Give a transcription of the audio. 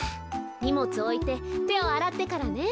にもつおいててをあらってからね。